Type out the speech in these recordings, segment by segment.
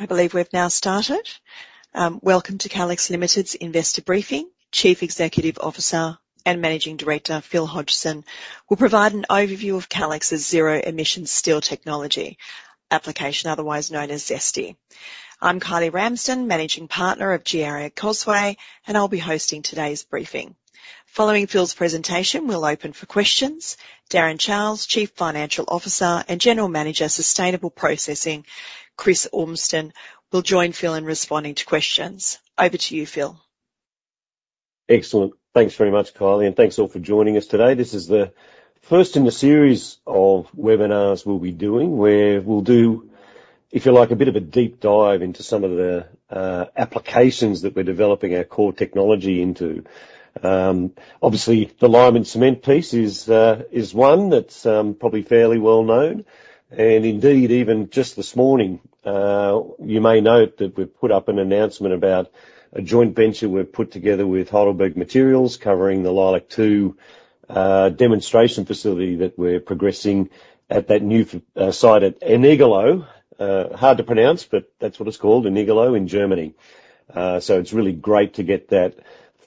I believe we've now started. Welcome to Calix Limited's Investor Briefing. Chief Executive Officer and Managing Director, Phil Hodgson, will provide an overview of Calix's zero emission steel technology, application otherwise known as ZESTY. I'm Kylie Ramsden, Managing Partner of GRACosway, and I'll be hosting today's briefing. Following Phil's presentation, we'll open for questions. Darren Charles, Chief Financial Officer, and General Manager, Sustainable Processing, Chris Ormston, will join Phil in responding to questions. Over to you, Phil. Excellent. Thanks very much, Kylie, and thanks all for joining us today. This is the first in a series of webinars we'll be doing, where we'll do, if you like, a bit of a deep dive into some of the applications that we're developing our core technology into. Obviously, the lime and cement piece is one that's probably fairly well known, and indeed, even just this morning, you may note that we've put up an announcement about a joint venture we've put together with Heidelberg Materials, covering the LEILAC-2 demonstration facility that we're progressing at that new site at Ennigerloh. Hard to pronounce, but that's what it's called, Ennigerloh in Germany. So it's really great to get that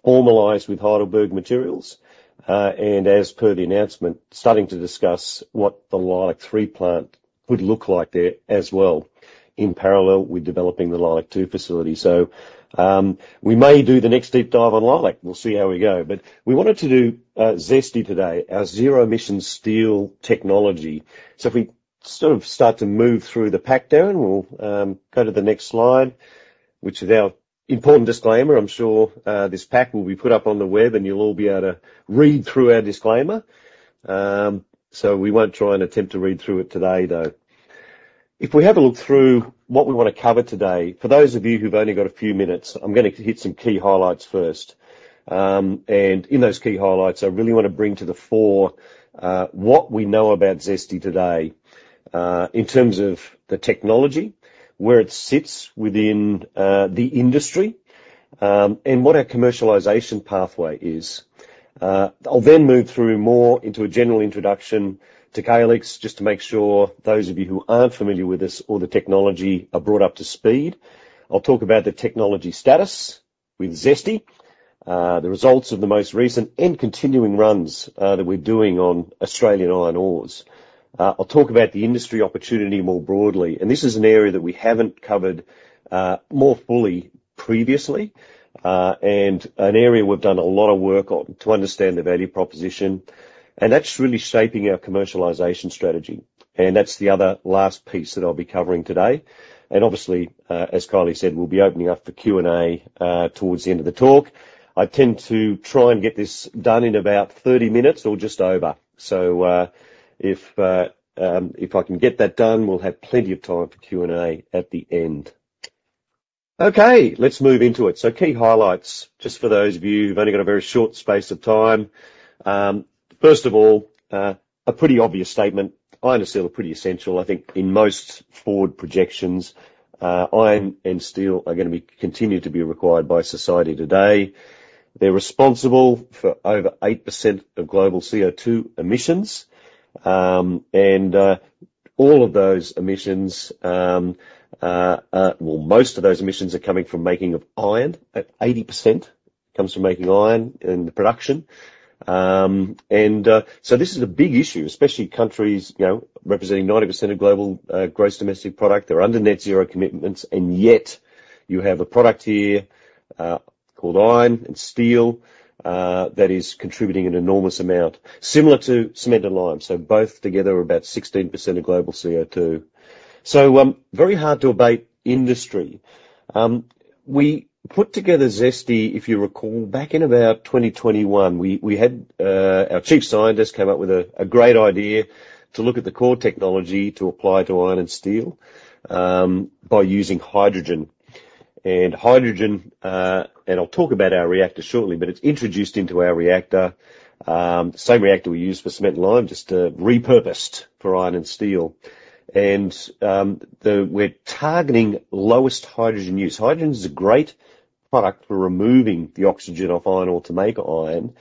formalized with Heidelberg Materials, and as per the announcement, starting to discuss what the LEILAC-3 plant would look like there as well, in parallel with developing the LEILAC-2 facility. So, we may do the next deep dive on LEILAC. We'll see how we go. But we wanted to do ZESTY today, our zero emission steel technology. So if we sort of start to move through the pack, Darren, we'll go to the next slide, which is our important disclaimer. I'm sure this pack will be put up on the web, and you'll all be able to read through our disclaimer. So we won't try and attempt to read through it today, though. If we have a look through what we wanna cover today, for those of you who've only got a few minutes, I'm gonna hit some key highlights first. In those key highlights, I really wanna bring to the fore what we know about ZESTY today, in terms of the technology, where it sits within the industry, and what our commercialization pathway is. I'll then move through more into a general introduction to Calix, just to make sure those of you who aren't familiar with us or the technology are brought up to speed. I'll talk about the technology status with ZESTY, the results of the most recent and continuing runs that we're doing on Australian iron ores. I'll talk about the industry opportunity more broadly, and this is an area that we haven't covered more fully previously, and an area we've done a lot of work on to understand the value proposition, and that's really shaping our commercialization strategy. That's the other last piece that I'll be covering today. Obviously, as Kylie said, we'll be opening up for Q&A towards the end of the talk. I tend to try and get this done in about 30 minutes or just over. So, if I can get that done, we'll have plenty of time for Q&A at the end. Okay, let's move into it. Key highlights, just for those of you who've only got a very short space of time. First of all, a pretty obvious statement, iron and steel are pretty essential, I think, in most forward projections. Iron and steel are gonna continue to be required by society today. They're responsible for over 8% of global CO2 emissions, and, all of those emissions, well, most of those emissions are coming from making of iron. 80% comes from making iron in the production. And, so this is a big issue, especially countries, you know, representing 90% of global gross domestic product. They're under net zero commitments, and yet you have a product here, called iron and steel, that is contributing an enormous amount, similar to cement and lime, so both together are about 16% of global CO2. So, very hard to abate industry. We put together ZESTY, if you recall, back in about 2021. We had our Chief Scientist come up with a great idea to look at the core technology to apply to iron and steel by using hydrogen. And hydrogen, and I'll talk about our reactor shortly, but it's introduced into our reactor, the same reactor we use for cement and lime, just repurposed for iron and steel. And we're targeting lowest hydrogen use. Hydrogen is a great product for removing the oxygen off iron ore to make iron,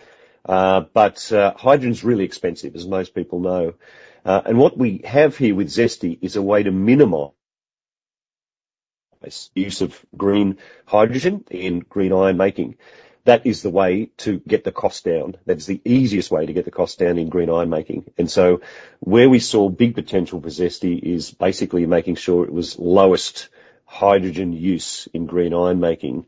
but hydrogen's really expensive, as most people know. And what we have here with ZESTY is a way to minimize use of green hydrogen in green iron-making. That is the way to get the cost down. That is the easiest way to get the cost down in green iron-making. So where we saw big potential for ZESTY is basically making sure it was lowest hydrogen use in green iron making.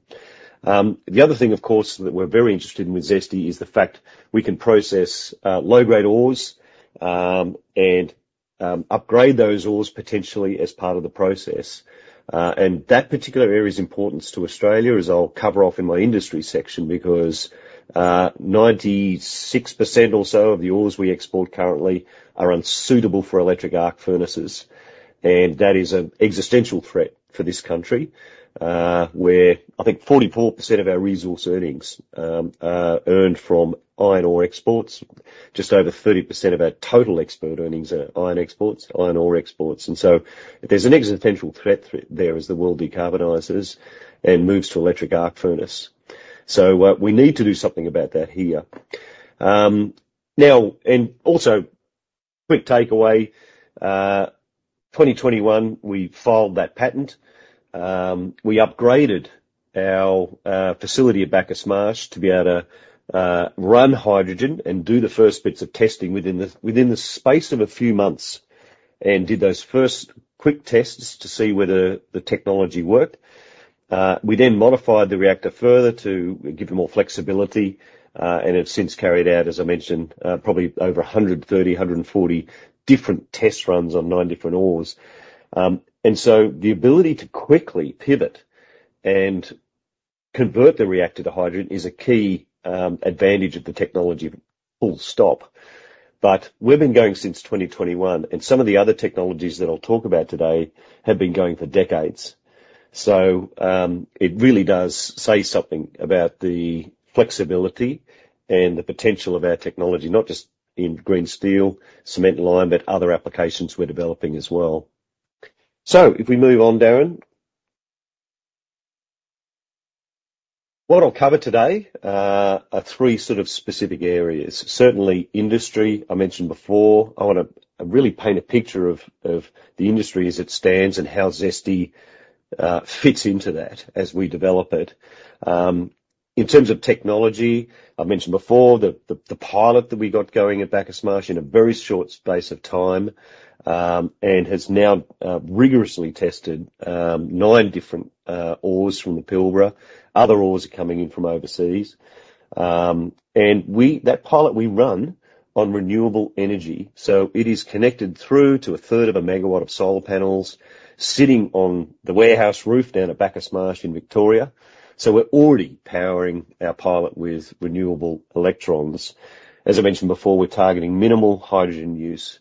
The other thing, of course, that we're very interested in with ZESTY is the fact we can process low-grade ores and upgrade those ores potentially as part of the process. That particular area's importance to Australia, as I'll cover off in my industry section, because 96% or so of the ores we export currently are unsuitable for electric arc furnaces, and that is an existential threat for this country, where I think 44% of our resource earnings are earned from iron ore exports. Just over 30% of our total export earnings are iron exports, iron ore exports. So there's an existential threat through there as the world decarbonizes and moves to electric arc furnace. So, we need to do something about that here. Quick takeaway, 2021, we filed that patent. We upgraded our facility at Bacchus Marsh to be able to run hydrogen and do the first bits of testing within the space of a few months, and did those first quick tests to see whether the technology worked. We then modified the reactor further to give it more flexibility, and have since carried out, as I mentioned, probably over 130-140 different test runs on nine different ores. And so the ability to quickly pivot and convert the reactor to hydrogen is a key advantage of the technology. But we've been going since 2021, and some of the other technologies that I'll talk about today have been going for decades. So, it really does say something about the flexibility and the potential of our technology, not just in green steel, cement and lime, but other applications we're developing as well. So if we move on, Darren. What I'll cover today are three sort of specific areas. Certainly industry, I mentioned before. I wanna really paint a picture of the industry as it stands and how ZESTY fits into that as we develop it. In terms of technology, I mentioned before the pilot that we got going at Bacchus Marsh in a very short space of time, and has now rigorously tested nine different ores from the Pilbara. Other ores are coming in from overseas. That pilot, we run on renewable energy, so it is connected through to a third of a megawatt of solar panels sitting on the warehouse roof down at Bacchus Marsh in Victoria. So we're already powering our pilot with renewable electrons. As I mentioned before, we're targeting minimal hydrogen use.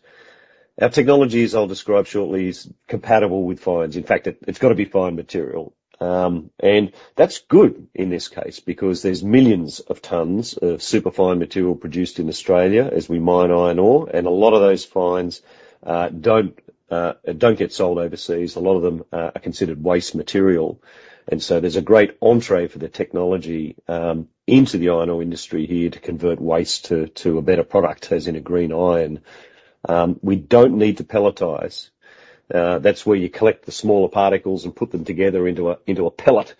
Our technology, as I'll describe shortly, is compatible with fines. In fact, it's gotta be fine material. And that's good in this case, because there's millions of tons of super fine material produced in Australia as we mine iron ore, and a lot of those fines don't get sold overseas. A lot of them are considered waste material. And so there's a great entree for the technology into the iron ore industry here to convert waste to a better product, as in a green iron. We don't need to pelletize. That's where you collect the smaller particles and put them together into a pellet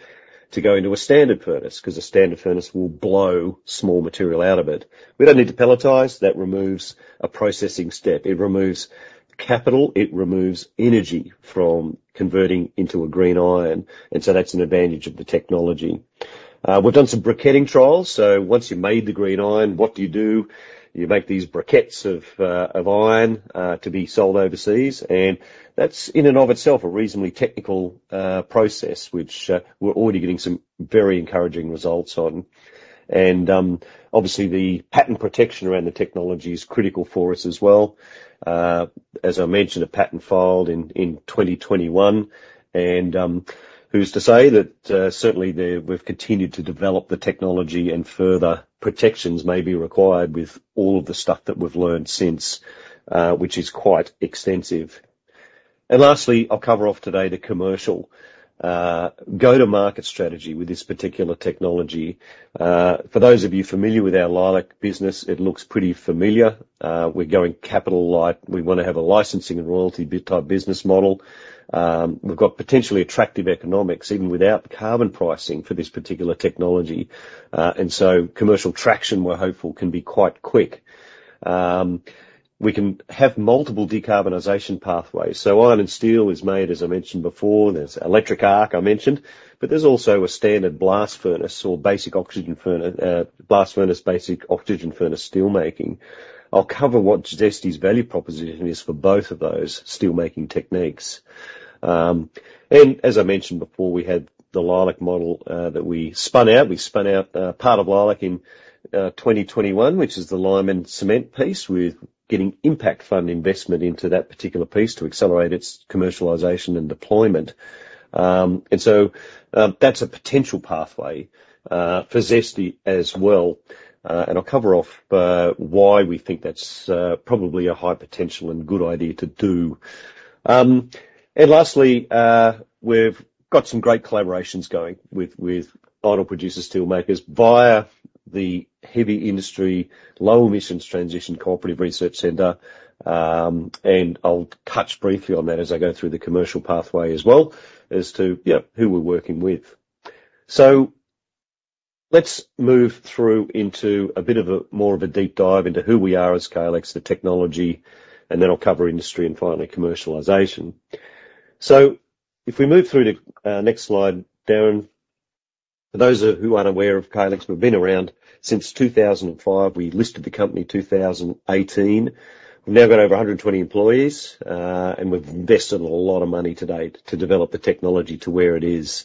to go into a standard furnace, 'cause a standard furnace will blow small material out of it. We don't need to pelletize. That removes a processing step. It removes capital, it removes energy from converting into a green iron, and so that's an advantage of the technology. We've done some briquetting trials. So once you've made the green iron, what do you do? You make these briquettes of iron to be sold overseas, and that's in and of itself a reasonably technical process, which we're already getting some very encouraging results on. And obviously, the patent protection around the technology is critical for us as well. As I mentioned, a patent filed in, in 2021, and, who's to say that, certainly there... We've continued to develop the technology, and further protections may be required with all of the stuff that we've learned since, which is quite extensive. Lastly, I'll cover off today the commercial, go-to-market strategy with this particular technology. For those of you familiar with our Leilac business, it looks pretty familiar. We're going capital light. We wanna have a licensing and royalty bi-type business model. We've got potentially attractive economics, even without carbon pricing, for this particular technology. And so commercial traction, we're hopeful, can be quite quick. We can have multiple decarbonization pathways. So iron and steel is made, as I mentioned before. There's electric arc, but there's also a standard blast furnace or basic oxygen furnace, steel making. I'll cover what ZESTY's value proposition is for both of those steel making techniques. As I mentioned before, we had the LEILAC model that we spun out. We spun out part of LEILAC in 2021, which is the lime and cement piece. We're getting impact fund investment into that particular piece to accelerate its commercialization and deployment. So that's a potential pathway for ZESTY as well, and I'll cover off why we think that's probably a high potential and good idea to do. And lastly, we've got some great collaborations going with, with iron producer steelmakers via the Heavy Industry Low Emissions Transition Cooperative Research Centre. And I'll touch briefly on that as I go through the commercial pathway as well as to, you know, who we're working with. So let's move through into a bit of a more of a deep dive into who we are as Calix, the technology, and then I'll cover industry and finally, commercialization. So if we move through to, next slide, Darren. For those of who aren't aware of Calix, we've been around since 2005. We listed the company 2018. We've now got over 120 employees, and we've invested a lot of money to date to develop the technology to where it is.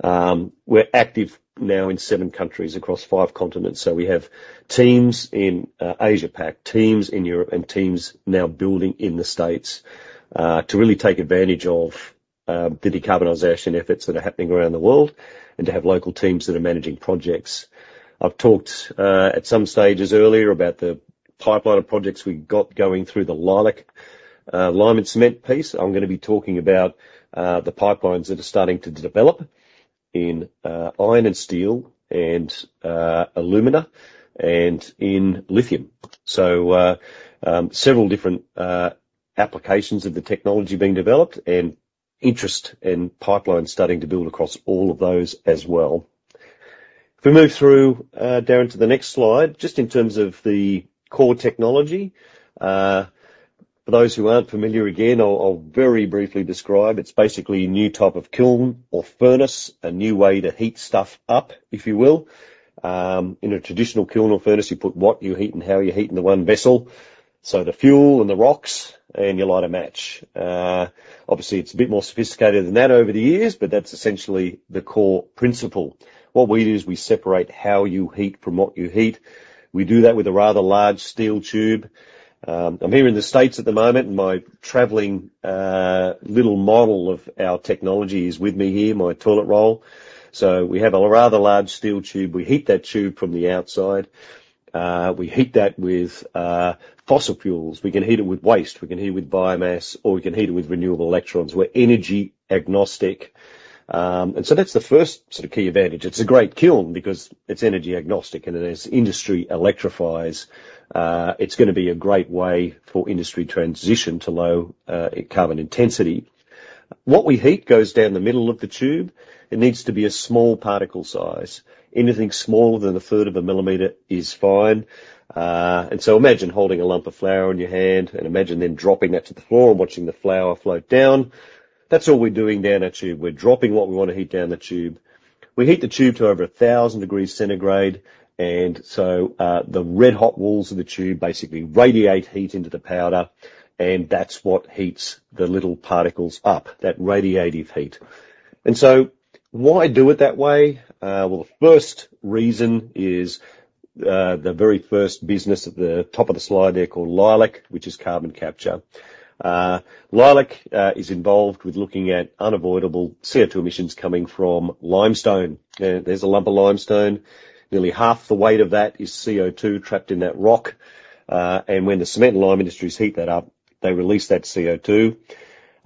We're active now in seven countries across five continents, so we have teams in Asia Pac, teams in Europe and teams now building in the States to really take advantage of the decarbonization efforts that are happening around the world, and to have local teams that are managing projects. I've talked at some stages earlier about the pipeline of projects we've got going through the Leilac- lime and cement piece. I'm gonna be talking about the pipelines that are starting to develop in iron and steel, and alumina, and in lithium. So several different applications of the technology being developed and interest in pipelines starting to build across all of those as well. If we move through, Darren, to the next slide, just in terms of the core technology. For those who aren't familiar, again, I'll very briefly describe. It's basically a new type of kiln or furnace, a new way to heat stuff up, if you will. In a traditional kiln or furnace, you put what you heat and how you heat in the one vessel, so the fuel and the rocks, and you light a match. Obviously, it's a bit more sophisticated than that over the years, but that's essentially the core principle. What we do is we separate how you heat from what you heat. We do that with a rather large steel tube. I'm here in the States at the moment, and my traveling little model of our technology is with me here, my toilet roll. So we have a rather large steel tube. We heat that tube from the outside. We heat that with fossil fuels. We can heat it with waste, we can heat it with biomass, or we can heat it with renewable electrons. We're energy agnostic. And so that's the first sort of key advantage. It's a great kiln because it's energy agnostic, and as industry electrifies, it's gonna be a great way for industry transition to low carbon intensity. What we heat goes down the middle of the tube. It needs to be a small particle size. Anything smaller than a third of a millimeter is fine. And so imagine holding a lump of flour in your hand, and imagine then dropping that to the floor and watching the flour float down. That's all we're doing down our tube. We're dropping what we want to heat down the tube. We heat the tube to over 1,000 degrees centigrade, and so, the red hot walls of the tube basically radiate heat into the powder, and that's what heats the little particles up, that radiative heat. So why do it that way? Well, the first reason is, the very first business at the top of the slide there called Leilac, which is carbon capture. Leilac is involved with looking at unavoidable CO2 emissions coming from limestone. There's a lump of limestone. Nearly half the weight of that is CO2 trapped in that rock. And when the cement and lime industries heat that up, they release that CO2.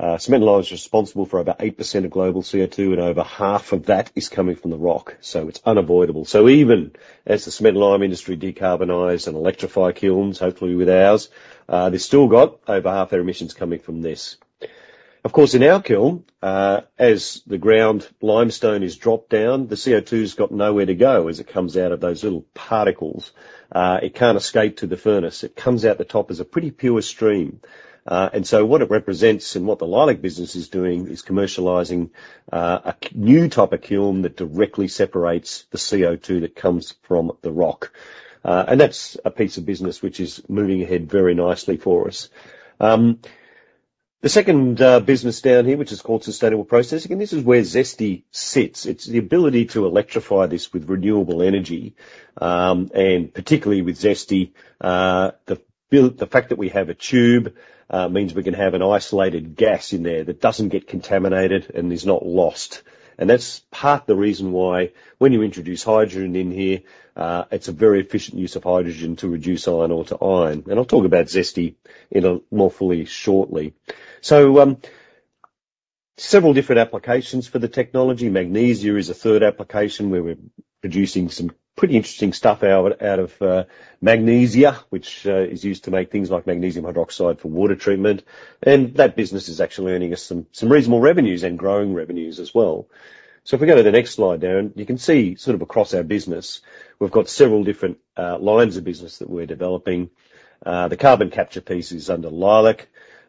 Cement and lime is responsible for about 8% of global CO2, and over half of that is coming from the rock, so it's unavoidable. So even as the cement and lime industry decarbonize and electrify kilns, hopefully with ours, they've still got over half their emissions coming from this. Of course, in our kiln, as the ground limestone is dropped down, the CO2's got nowhere to go as it comes out of those little particles. It can't escape to the furnace. It comes out the top as a pretty pure stream. And so what it represents and what the LEILAC business is doing is commercializing a new type of kiln that directly separates the CO2 that comes from the rock. And that's a piece of business which is moving ahead very nicely for us. The second business down here, which is called Sustainable Processing, and this is where ZESTY sits. It's the ability to electrify this with renewable energy. And particularly with ZESTY, the fact that we have a tube means we can have an isolated gas in there that doesn't get contaminated and is not lost. And that's part of the reason why when you introduce hydrogen in here, it's a very efficient use of hydrogen to reduce iron ore to iron. And I'll talk about ZESTY in a more fully shortly. So, several different applications for the technology. Magnesia is a third application, where we're producing some pretty interesting stuff out of magnesia, which is used to make things like magnesium hydroxide for water treatment. And that business is actually earning us some reasonable revenues and growing revenues as well. So if we go to the next slide, Darren, you can see sort of across our business, we've got several different lines of business that we're developing. The carbon capture piece is under Leilac,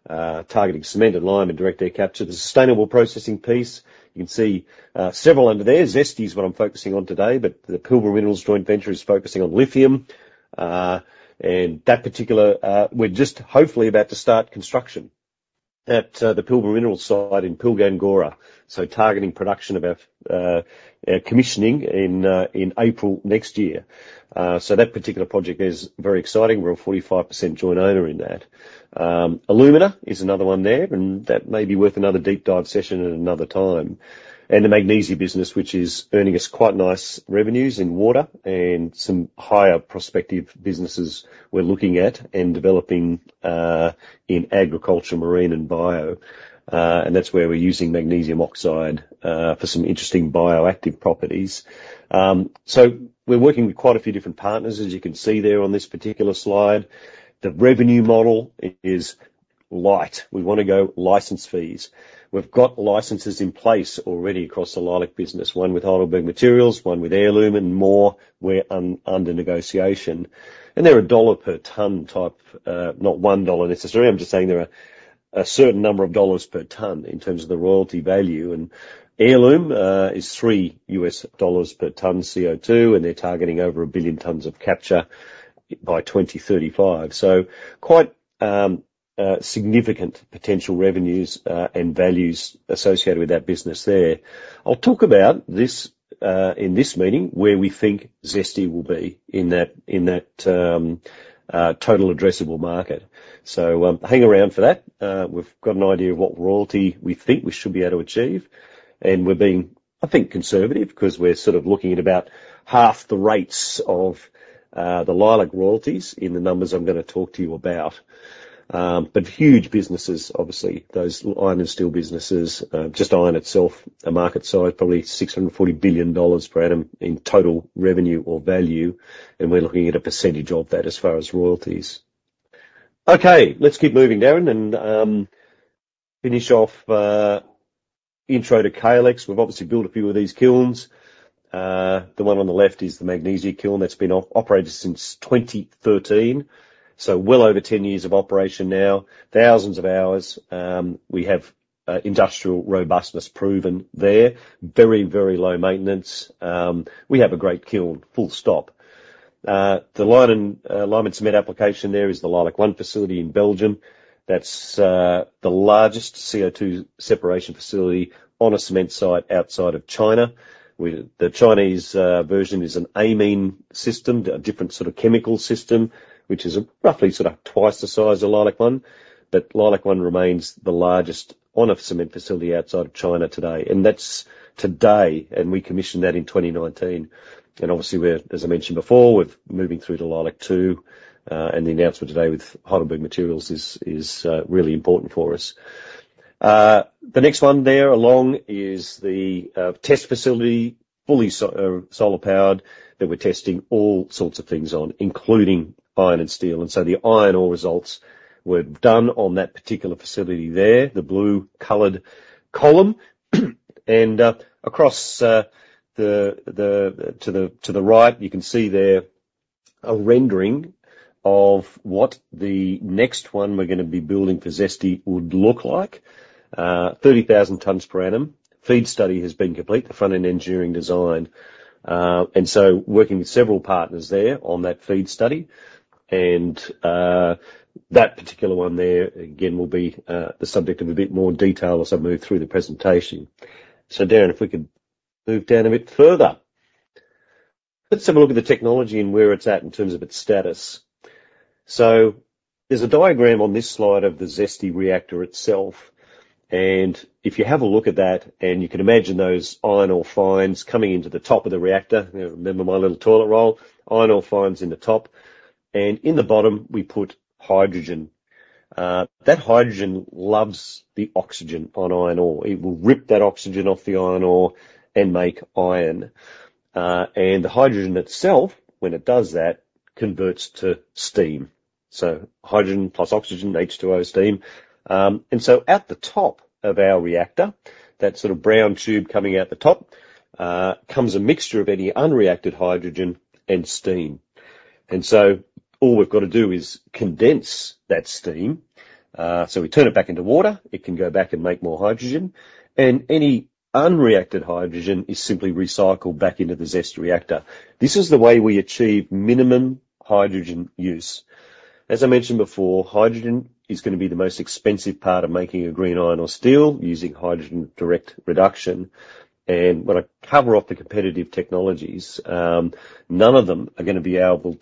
targeting cement and lime and direct air capture. The sustainable processing piece, you can see, several under there. ZESTY is what I'm focusing on today, but the Pilbara Minerals joint venture is focusing on lithium. And that particular... We're just hopefully about to start construction at the Pilbara Minerals site in Pilgangoora, so targeting production of our commissioning in April next year. So that particular project is very exciting. We're a 45% joint owner in that. Alumina is another one there, and that may be worth another deep dive session at another time. And the magnesia business, which is earning us quite nice revenues in water and some higher prospective businesses we're looking at and developing, in agriculture, marine, and bio. And that's where we're using magnesium oxide, for some interesting bioactive properties. So we're working with quite a few different partners, as you can see there on this particular slide. The revenue model is light. We wanna go license fees. We've got licenses in place already across the Leilac business, one with Heidelberg Materials, one with Heirloom, and more were under negotiation. And they're a $1 per ton type, not $1 necessarily. I'm just saying they're a, a certain number of dollars per ton in terms of the royalty value. And Heirloom, is $3 per ton CO2, and they're targeting over 1 billion tons of capture by 2035. So quite significant potential revenues and values associated with that business there. I'll talk about this in this meeting, where we think ZESTY will be in that total addressable market. So, hang around for that. We've got an idea of what royalty we think we should be able to achieve, and we're being, I think, conservative, 'cause we're sort of looking at about half the rates of the LEILAC royalties in the numbers I'm gonna talk to you about. But huge businesses, obviously, those iron and steel businesses, just iron itself, a market size, probably $640 billion per annum in total revenue or value, and we're looking at a percentage of that as far as royalties. Okay, let's keep moving, Darren, and finish off intro to Calix. We've obviously built a few of these kilns. The one on the left is the magnesia kiln that's been operated since 2013, so well over 10 years of operation now, thousands of hours. We have industrial robustness proven there. Very, very low maintenance. We have a great kiln, full stop. The lime and lime and cement application there is the LEILAC-1 facility in Belgium. That's the largest CO2 separation facility on a cement site outside of China. The Chinese version is an amine system, a different sort of chemical system, which is roughly sort of twice the size of LEILAC-1. But LEILAC-1 remains the largest on a cement facility outside of China today, and that's today, and we commissioned that in 2019. Obviously, we're, as I mentioned before, we're moving through to LEILAC-2, and the announcement today with Heidelberg Materials is, is, really important for us. The next one there along is the test facility, fully solar-powered, that we're testing all sorts of things on, including iron and steel. And the iron ore results were done on that particular facility there, the blue-colored column. And across, the-- to the right, you can see there a rendering of what the next one we're gonna be building for ZESTY would look like. 30,000 tons per annum. FEED study has been complete, the front-end engineering design. And so working with several partners there on that FEED study, and, that particular one there, again, will be, the subject of a bit more detail as I move through the presentation. So Darren, if we could move down a bit further. Let's have a look at the technology and where it's at in terms of its status. So there's a diagram on this slide of the ZESTY reactor itself, and if you have a look at that, and you can imagine those iron ore fines coming into the top of the reactor. Remember my little toilet roll? Iron ore fines in the top, and in the bottom, we put hydrogen. That hydrogen loves the oxygen on iron ore. It will rip that oxygen off the iron ore and make iron. And the hydrogen itself, when it does that, converts to steam. So hydrogen plus oxygen, H2O steam. And so at the top of our reactor, that sort of brown tube coming out the top, comes a mixture of any unreacted hydrogen and steam. And so all we've got to do is condense that steam, so we turn it back into water, it can go back and make more hydrogen, and any unreacted hydrogen is simply recycled back into the ZESTY reactor. This is the way we achieve minimum hydrogen use. As I mentioned before, hydrogen is gonna be the most expensive part of making a green iron or steel using hydrogen direct reduction. And when I cover off the competitive technologies, none of them are gonna be able to-